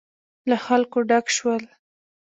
له خلکو ډک شول.